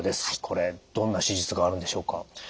これどんな手術があるんでしょうか？